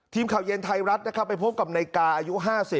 ทีมข่าวเย็นไทยรัฐนะครับไปพบกับนายกาอายุ๕๐